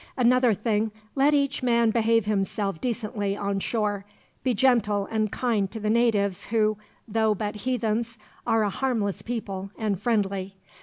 "Another thing: Let each man behave himself decently on shore. Be gentle and kind to the natives who, though but heathens, are a harmless people, and friendly.